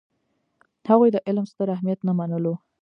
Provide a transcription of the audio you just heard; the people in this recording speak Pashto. هغوی د علم ستر اهمیت نه منلو.